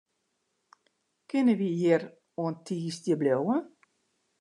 Kinne wy hjir oant tiisdei bliuwe?